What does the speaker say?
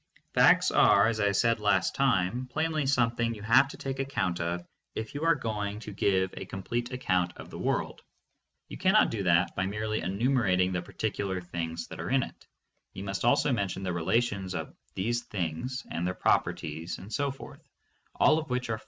Facts are, as I said last time, plainly something you have to take account of if you are going to give a complete account of the world. You can not do that by merely enumerating the particular things that are in it : you must also mention the relations of these things, and their properties, and so forth, all of which are THE PHILOSOPHY OF LOGICAL ATOMISM.